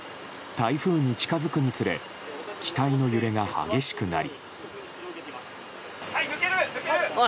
台風に近づくにつれ機体の揺れが激しくなり。